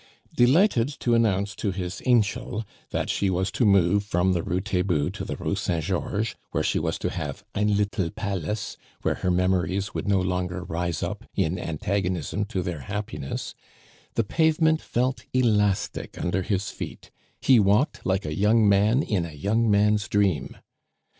Delighted to announce to his "anchel" that she was to move from the Rue Taitbout to the Rue Saint Georges, where she was to have "ein little palace" where her memories would no longer rise up in antagonism to their happiness, the pavement felt elastic under his feet; he walked like a young man in a young man's dream.